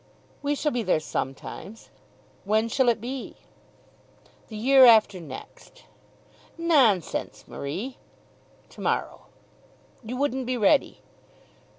"We shall be there sometimes. When shall it be?" "The year after next." "Nonsense, Marie." "To morrow." "You wouldn't be ready."